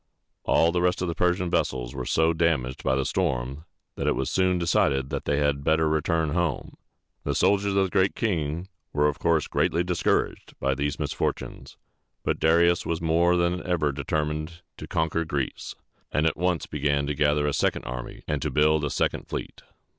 All the rest of the Persian vessels were so damaged by the storm, that it was soon decided that they had better return home. The soldiers of The Great King were of course greatly discouraged by these misfortunes; but Darius was more than ever determined to conquer Greece, and at once began to gather a second army and to build a second fleet.